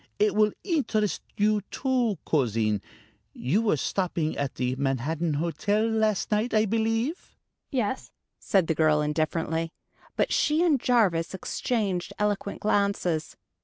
It will interest you too, cousin. You were stopping at the Manhattan Hotel last night, I believe?" "Yes," said the girl indifferently; but she and Jarvis exchanged eloquent glances.